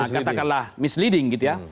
katakanlah misleading gitu ya